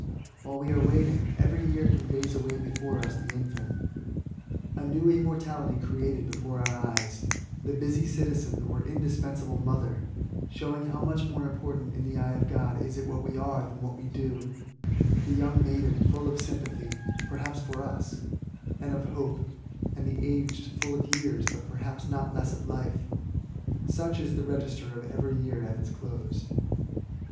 While we are waiting, every year conveys away before us the infant, (a new immortality created before our eyes); the busy citizen, or indispensable mother, (showing how much more important in the eye of God is it what we are than what we do ;) the young maiden, full of sympathy, (perhaps for us,) and of hope ; and tl^e aged, fiill of years, but perhaps not less of life. Such is the register of every year at its close.